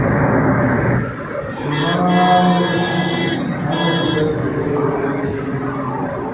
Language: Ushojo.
شمال ہننُو، کامن وائس کدئی کروم تھینُو؟